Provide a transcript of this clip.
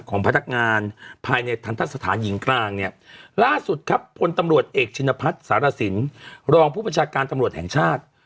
ของพนักงานภายในทันทะสถานหญิงกลางเนี่ยล่าสุดครับพลตำรวจเอกชินพัฒน์สารสินรองผู้บัญชาการตำรวจแห่งชาติ